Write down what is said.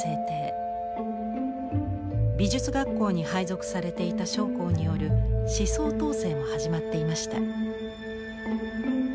美術学校に配属されていた将校による思想統制も始まっていました。